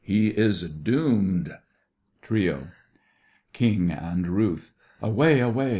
He is doomed! TRIO KING and RUTH: FREDERIC Away, away!